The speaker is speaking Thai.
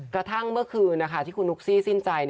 กระทั่งเมื่อคืนที่คุณนุ๊กซี่สิ้นใจ